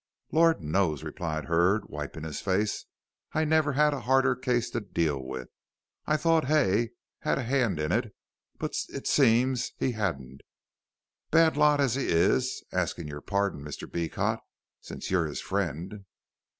"Lord knows," replied Hurd, wiping his face. "I never had a harder case to deal with. I thought Hay had a hand in it, but it seems he hadn't, bad lot as he is, asking your pardon, Mr. Beecot, since you're his friend."